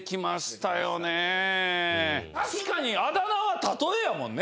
たしかにあだ名はたとえやもんね。